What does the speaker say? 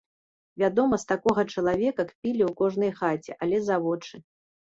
Вядома, з такога чалавека кпілі ў кожнай хаце, але за вочы.